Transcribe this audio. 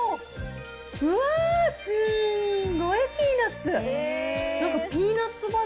うわー、すごいピーナッツ。